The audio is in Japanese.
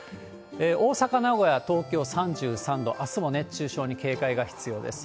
大阪、名古屋、東京、３３度、あすも熱中症に警戒が必要です。